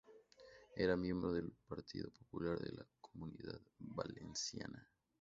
Era miembro del Partido Popular de la Comunidad Valenciana.